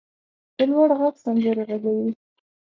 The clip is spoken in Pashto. په لوړ غږ سندرې غږوي.